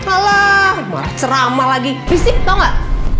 alah marah cerama lagi bisik tau nggak